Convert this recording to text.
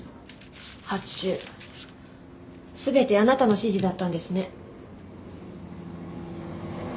発注全てあなたの指示だったんですね。